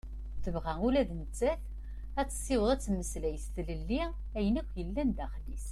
Tebɣa ula d nettat ad tessiweḍ ad temmeslay s tlelli ayen akk yellan daxel-is.